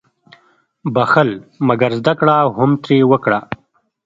• بخښل، مګر زده کړه هم ترې وکړه.